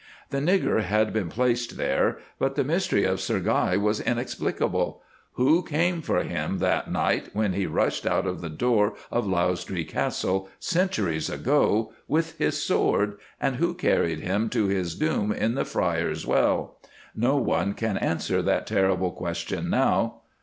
"The nigger had been placed there, but the mystery of Sir Guy was inexplicable. Who came for him that night when he rushed out of the door of Lausdree Castle, centuries ago, with his sword, and who carried him to his doom in the Friar's Well? No one can answer that terrible question now.